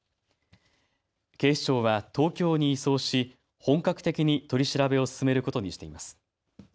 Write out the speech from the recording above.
警視庁は東京に移送し、本格的に取り調べを進めることにしています。